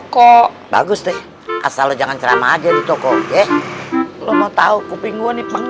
kagak ada motor aja bang